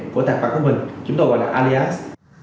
của tài khoản của mình chúng tôi gọi là alis